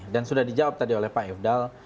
dan sudah dijawab tadi oleh pak ifdal